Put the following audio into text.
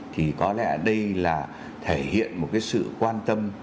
thì có lẽ đây là thể hiện một sự quan tâm